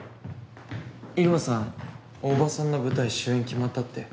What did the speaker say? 入間さん大場さんの舞台主演決まったって。